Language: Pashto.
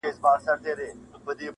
• اصلاح نه سو لایې بد کول کارونه..